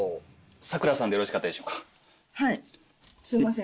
はいすいません。